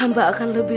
amba akan lebih baik